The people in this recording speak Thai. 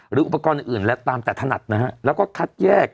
หรืออุปกรณ์อื่นและตามแต่ถนัดนะฮะแล้วก็คัดแยก